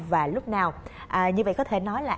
và lúc nào như vậy có thể nói là